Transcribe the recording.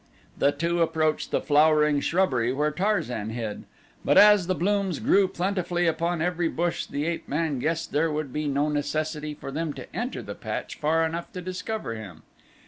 The two approached the flowering shrubbery where Tarzan hid, but as the blooms grew plentifully upon every bush the ape man guessed there would be no necessity for them to enter the patch far enough to discover him.